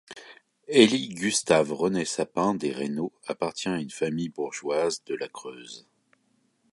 Élie Gustave René Sappin des Raynaud appartient à une famille bourgeoise de la Creuse.